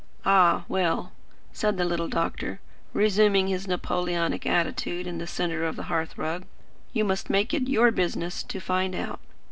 "Ah, well," said the little doctor, resuming his Napoleonic attitude in the centre of the hearth rug; "you must make it your business to find out.